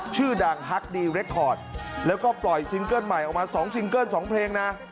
ชื่อดังฮักดีเรคคอร์ดแล้วก็ปล่อยซิงเกิ้ลใหม่ออกมา๒ซิงเกิ้ล๒เพลงนะ